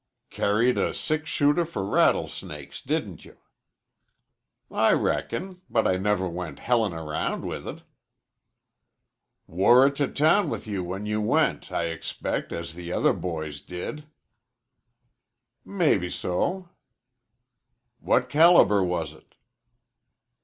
"Carried a six shooter for rattlesnakes, didn't you?" "I reckon, but I never went hellin' around with it." "Wore it to town with you when you went, I expect, as the other boys did." "Mebbeso." "What caliber was it?"